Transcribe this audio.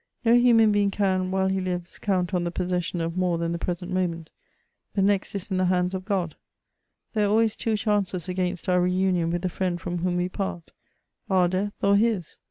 No human being can, while he lives, count on tiie possession oi more than the present moment; the next is m the hands^ God There are always two chances against our re umon with the friend from whom we part— our death or his.